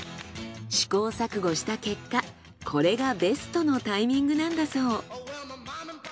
試行錯誤した結果これがベストのタイミングなんだそう。